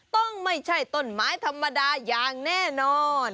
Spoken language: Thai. ต้องไม่ใช่ต้นไม้ธรรมดาอย่างแน่นอน